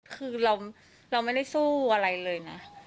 คือเราไม่ได้สู้อะไรเลยนะ